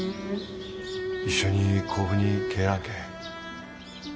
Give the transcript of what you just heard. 一緒に甲府に帰らんけ？